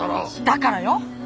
だからよ。